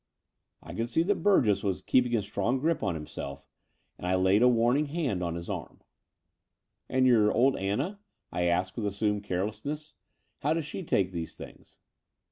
I could see that Burgess was keeping a strong grip upon himself: and I laid a warning hand on his arm. The Dower House 261 "And your old Anna?" I asked with assumed carelessness. "How does she take these things?"